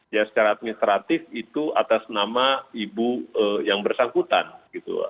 ya secara administratif itu atas nama ibu yang bersangkutan gitu